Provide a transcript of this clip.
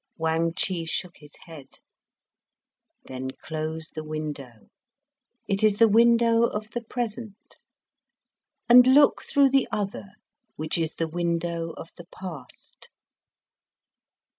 Wang Chih shook his head. "Then close the window. It is the window of the Present. And look through the other, which is the window of the Past."